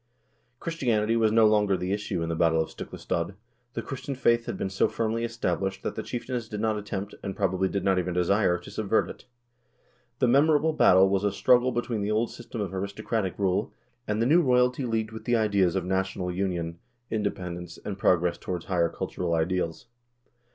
Christianity was no longer the issue in the battle of Stiklestad. The Christian faith had been so firmly established that the chieftains did not attempt, and, probably, did not even desire, to subvert it. The memorable battle was a struggle between the old system of aristocratic rule, and the new royalty leagued with the ideas of na tional union, independence, and progress toward higher cultural ideals.